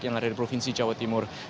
yang ada di provinsi jawa timur